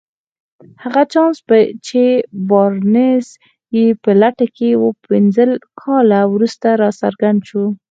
هغه چانس چې بارنس يې په لټه کې و پنځه کاله وروسته راڅرګند شو.